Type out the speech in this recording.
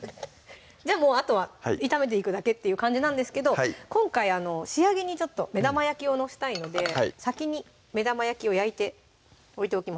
じゃああとは炒めていくだけっていう感じなんですけど今回仕上げにちょっと目玉焼きを載したいので先に目玉焼きを焼いて置いておきます